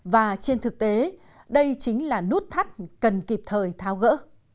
và trên thực tế đây chính là nút thắt cần kịp thời tháo gỡ